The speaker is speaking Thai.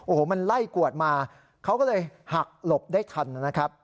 โอ้โหมันไล่กวดมาเขาก็เลยหักหลบได้ทันนะครับ